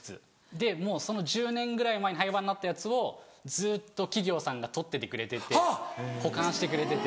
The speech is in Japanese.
でその１０年ぐらい前に廃番になったやつをずっと企業さんが取っててくれて保管してくれてて。